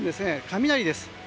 雷です。